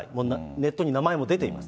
ネットに名前も出ています。